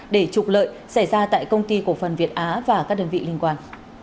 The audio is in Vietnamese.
để trục lợi xảy ra tại công ty cổ phần việt á và các đơn vị liên quan